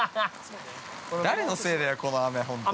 ◆誰のせいだよ、この雨、本当に。